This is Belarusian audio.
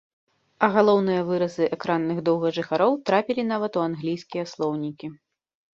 А галоўныя выразы экранных доўгажыхароў трапілі нават у англійскія слоўнікі.